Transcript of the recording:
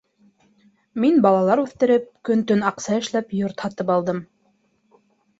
Мин балалар үҫтереп, көн-төн аҡса эшләп йорт һатып алдым.